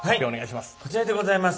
こちらでございます。